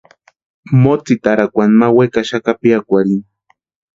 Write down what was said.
Motsitarakwani ma wekaxaka piakwarhini.